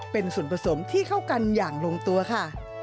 เป็นส่วนผสมที่เข้ากันอย่างลงตัวค่ะ